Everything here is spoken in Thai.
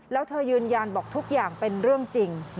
แล้วเธอยืนยันบอกทุกอย่างเป็นเรื่องจริง